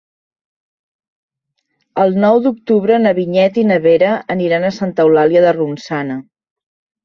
El nou d'octubre na Vinyet i na Vera aniran a Santa Eulàlia de Ronçana.